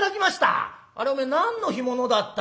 「あれお前何の干物だった？」。